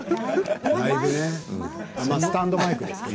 スタンドマイクですよね。